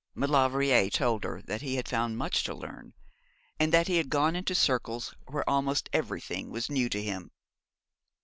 Maulevrier told her that he had found much to learn, and that he had gone into circles where almost everything was new to him.